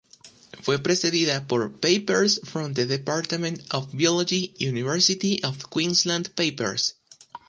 Fue precedida por "Papers from the Department of Biology, University of Queensland Papers".